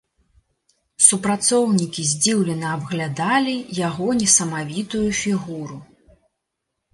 Супрацоўнікі здзіўлена абглядалі яго несамавітую фігуру.